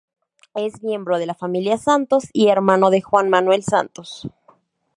Es miembro de la familia Santos y hermano de Juan Manuel Santos.